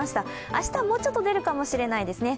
明日はもうちょっと出るかもしれませんね。